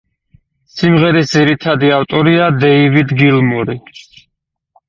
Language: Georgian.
სიმღერის ძირითადი ავტორია დეივიდ გილმორი.